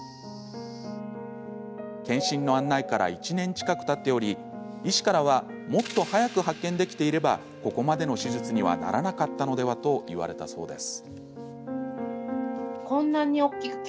健診の案内から１年近くたっており、医師からは「もっと早く発見できていればここまでの手術にはならなかったのでは」と言われたそうです。